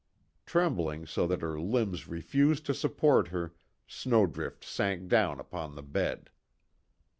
Trembling so that her limbs refused to support her, Snowdrift sank down upon the bed.